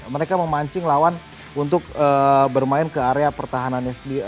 mereka memancing lawan untuk bermain ke area pertahanan